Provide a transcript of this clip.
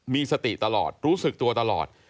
มีสติตลอดรู้สึกตัวตลอด